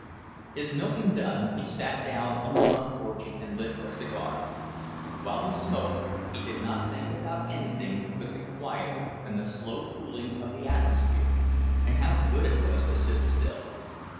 His milking done, he sat down on the front porch and lit a cigar. While he smoked, he did not think about anything but the quiet and the slow cooling of the atmosphere, and how good it was to sit still.